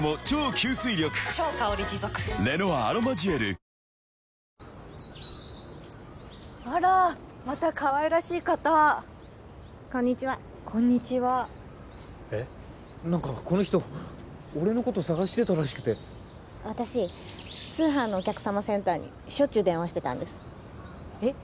この体験をあなたもキリンのクラフトビール「スプリングバレー」からあらまたかわいらしい方こんにちはこんにちはえっ？何かこの人俺のこと捜してたらしくて私通販のお客様センターにしょっちゅう電話してたんですえっ？